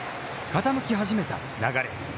傾き始めた流れ。